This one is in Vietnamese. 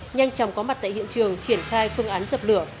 nhanh chóng có mặt tại hiện trường triển khai phương án dập lửa